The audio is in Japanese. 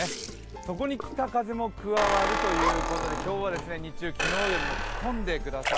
そこに北風も加わるということで今日は日中、昨日よりも着込んでください。